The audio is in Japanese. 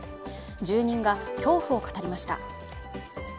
住人が恐怖を語りました。